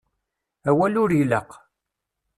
Awal ur ilaq.